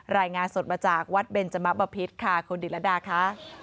รายงานสดมาจากวัดเบนจมะบะพิษค่ะคุณดิรดาค่ะ